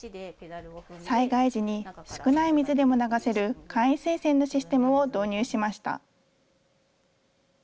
災害時に少ない水でも流せる簡易水洗のシステムを導入しました。